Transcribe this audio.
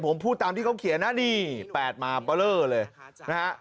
ผมพูดตามที่เขาเขียนน่ะดิแปดมาเลยนะคะ